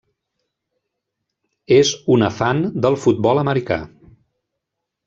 És una fan del Futbol americà.